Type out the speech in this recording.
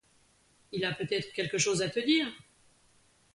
Il a peut-être quelque chose à te dire.